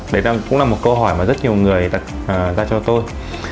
đấy cũng là một câu hỏi mà rất nhiều người đặt ra cho tôi